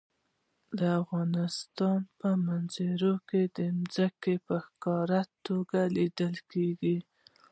د افغانستان په منظره کې ځمکه په ښکاره توګه لیدل کېږي.